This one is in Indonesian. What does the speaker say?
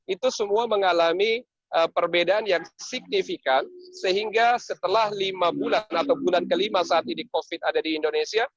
itu semua mengalami perbedaan yang signifikan sehingga setelah lima bulan atau bulan kelima saat ini covid ada di indonesia